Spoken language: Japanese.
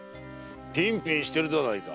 ピンピンしてるではないか。